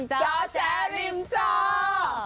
เจ้าแจ๊ะริมเจ้า